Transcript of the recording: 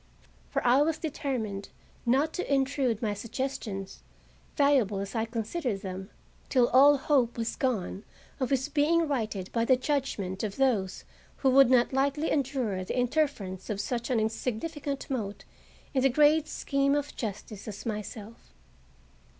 For I was determined not to intrude my suggestions, valuable as I considered them, till all hope was gone of his being righted by the judgment of those who would not lightly endure the interference of such an insignificant mote in the great scheme of justice as myself.